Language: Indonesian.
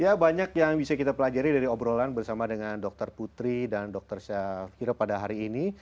ya banyak yang bisa kita pelajari dari obrolan bersama dengan dokter putri dan dr syafira pada hari ini